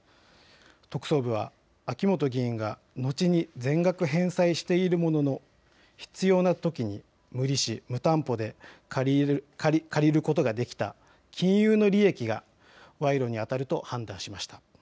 特捜部は秋本議員が後に全額返済しているものの必要なときに無利子無担保で借りることができた金融の利益が賄賂にあたると判断しました。